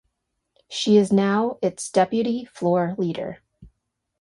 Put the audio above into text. She is now its deputy floor leader.